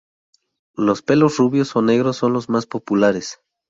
Los pelos rubios o negros son los más populares.